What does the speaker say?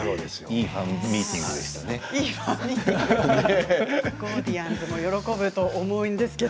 いいファンミーティングですね。